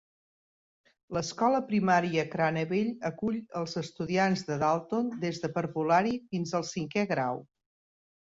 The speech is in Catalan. L'escola primària Craneville acull els estudiants de Dalton des de parvulari fins al cinquè grau.